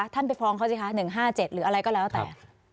ไปฟ้องเขาสิคะ๑๕๗หรืออะไรก็แล้วแต่